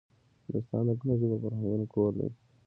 هندوستان د ګڼو ژبو او فرهنګونو کور دی